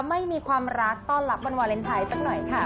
ไม่มีความรักต้อนรับวันวาเลนไทยสักหน่อยค่ะ